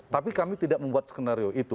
tapi kami tidak membuat skenario itu